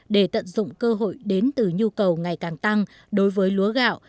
để tận dụng cơ hội đến từ nhu cầu ngày càng tăng đối với lúa gạo